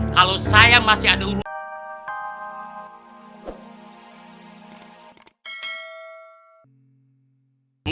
kalau saya masih ada hubungan